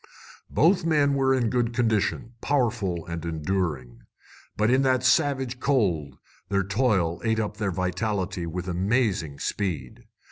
Both men were in good condition, powerful and enduring. But in that savage cold their toil ate up their vitality with amazing speed.